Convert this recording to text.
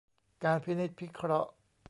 การพินิจพิเคราะห์